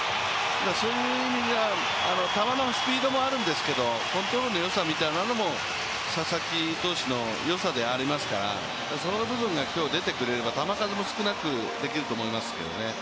そういう意味では球のスピードもあるんですけれども、コントロールのよさみたいなものも佐々木投手のよさでありますから、その部分が今日出てくれれば球数も少なくできると思いますけど。